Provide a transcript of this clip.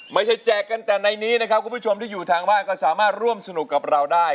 แจกกันแต่ในนี้นะครับคุณผู้ชมที่อยู่ทางบ้านก็สามารถร่วมสนุกกับเราได้